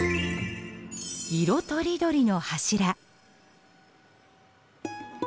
色とりどりの柱。